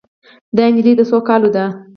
دا نجلۍ د څو کالو ده